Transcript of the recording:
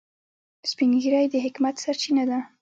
سپین ږیری د حکمت سرچینه ده